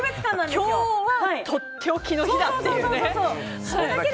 今日はとっておきの日だっていう。